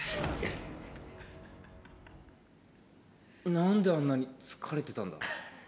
何であんなに疲れてたんだ？